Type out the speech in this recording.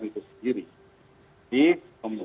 ketidakpastian itu sendiri